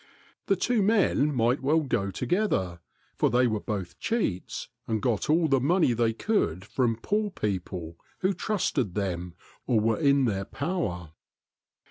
The two men might well go together, for they were both cheats and got all the money they could from poor poople who trusted them or were in their power.